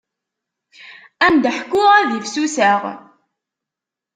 Ad m-d-ḥkuɣ ad ifsuseɣ.